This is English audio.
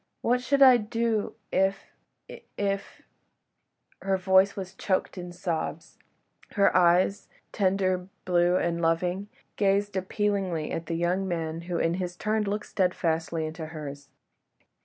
What should I do if ... if ... if ..." Her voice was choked in sobs, her eyes, tender, blue and loving, gazed appealingly at the young man, who in his turn looked steadfastly into hers.